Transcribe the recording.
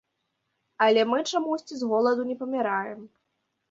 Але мы чамусьці з голаду не паміраем.